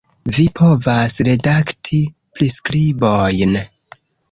Vi povas redakti priskribojn